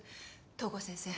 東郷先生。